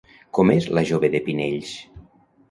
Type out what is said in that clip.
Com és la jove de Pinells?